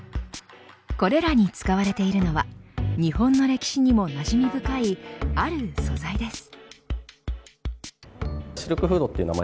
これらに使われているのは日本の歴史にもなじみ深いある素材です。